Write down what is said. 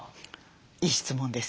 いい質問です。